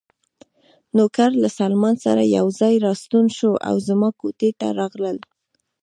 نوکر له سلمان سره یو ځای راستون شو او زما کوټې ته راغلل.